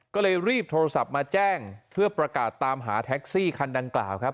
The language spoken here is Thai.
ก็เลยรีบโทรศัพท์มาแจ้งเพื่อประกาศตามหาแท็กซี่คันดังกล่าวครับ